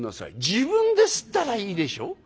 「自分ですったらいいでしょ？」。